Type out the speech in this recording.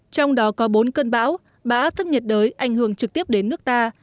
trong đó có bốn cơn bão ba áp thấp nhiệt đới ảnh hưởng trực tiếp đến nước ta